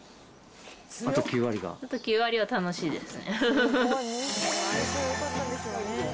あと９割は楽しいですね。